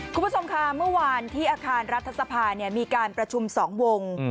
คุณผู้ชมค่ะเมื่อวานที่อาคารรัฐสภามีการประชุม๒วง